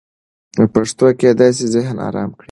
پښتو کېدای سي ذهن ارام کړي.